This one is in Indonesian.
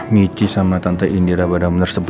michi sama tante indira pada menersayang